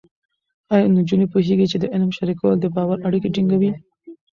ایا نجونې پوهېږي چې علم شریکول د باور اړیکې ټینګوي؟